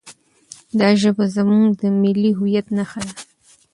دا ژبه زموږ د ملي هویت نښه ده.